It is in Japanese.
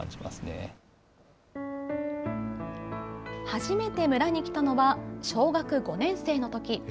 初めて村に来たのは小学５年生のとき。